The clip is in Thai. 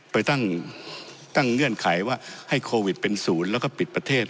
ไปตั้งเงื่อนไขว่าให้โควิดเป็นศูนย์แล้วก็ปิดประเทศ